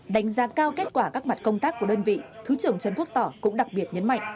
đánh giá cao kết quả các mặt công tác của đơn vị thứ trưởng trần quốc tỏ cũng đặc biệt nhấn mạnh